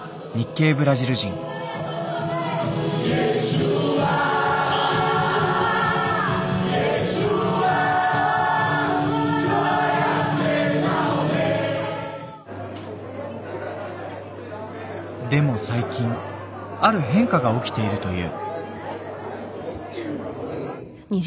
「イエスはイエスは」でも最近ある変化が起きているという。